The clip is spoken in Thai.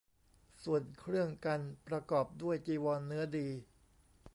ส่วนเครื่องกัณฑ์ประกอบด้วย จีวรเนื้อดี